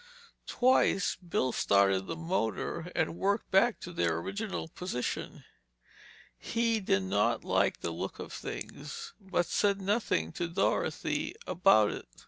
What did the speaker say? Twice Bill started the motor and worked back to their original position. He did not like the look of things, but said nothing to Dorothy about it.